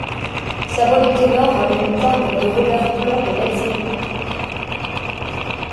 Sa voix de ténor avait le timbre de Robert Plant de Led Zeppelin.